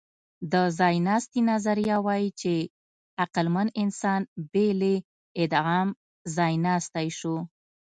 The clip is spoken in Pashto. د ځایناستي نظریه وايي، چې عقلمن انسان بې له ادغام ځایناستی شو.